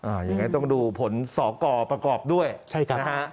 ยังไงต้องดูผลสอกรประกอบด้วยใช่ครับนะฮะ